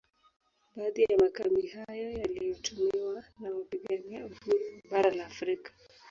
Baadhi ya makambi hayo yaliyotumiwa na wapigania uhuru wa bara la Afrika